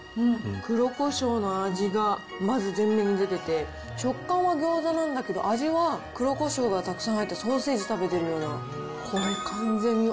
黒こしょうの味が、まず前面に出てて、食感は餃子なんだけど、味は黒こしょうがたくさん入ったソーセージ食べてるような。